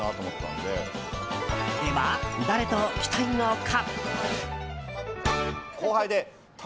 では、誰と来たいのか。